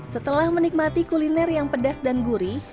setelah menikmati kuliner yang pedas dan gurih